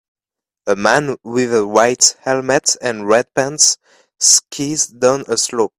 A man with a white helmet and red pants skis down a slope